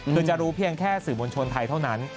คือจะรู้เพียงแค่สื่อมวลชนไทยเท่านั้น